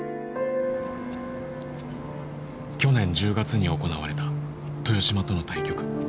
去年１０月に行われた豊島との対局。